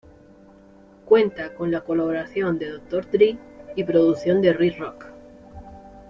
Cuenta con la colaboración de Dr. Dre y producción de Rick Rock.